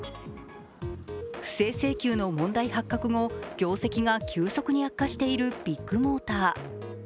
不正請求の問題発覚後、業績が急速に悪化しているビッグモーター。